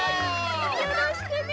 よろしくね。